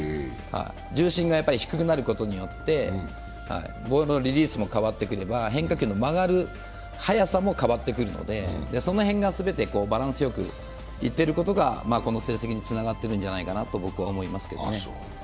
重心が低くなることによってボールのリリースも変わってくれば変化球の曲がる速さも変わってくるのでその辺が全てバランスよくいっていることがこの成績につながってるんじゃないかと僕は思いますけどね。